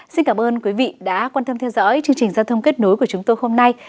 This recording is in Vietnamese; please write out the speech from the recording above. xin cảm ơn quý vị đã quan tâm theo dõi chương trình giao thông kết nối của chúng tôi hôm nay